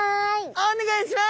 お願いします！